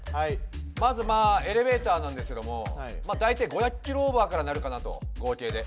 まずエレベーターなんですけども大体５００キロオーバーからなるかなと合計で。